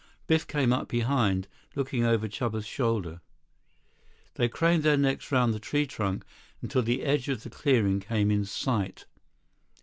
Biff came up behind, looking over Chuba's shoulder. They craned their necks around the tree trunk until the edge of the clearing came in sight.